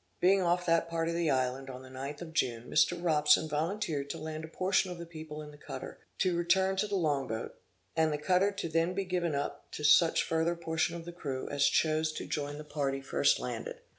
Being off that part of the island on the ninth of June, Mr. Robson volunteered to land a portion of the people in the cutter, to return to the long boat, and the cutter to be then given up to such further portion of the crew as chose to join the party first landed.